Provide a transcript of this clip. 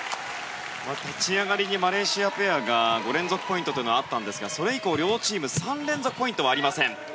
立ち上がりにマレーシアペアが５連続ポイントがあったんですがそれ以降、両チーム３連続ポイントはありません。